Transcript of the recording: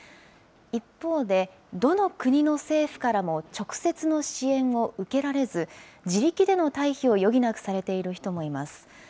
一方で、どの国の政府からも直接の支援を受けられず、自力での退避を余儀なくされている人もいます。